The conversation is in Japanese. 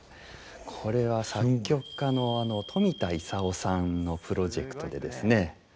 これは作曲家の冨田勲さんのプロジェクトでですね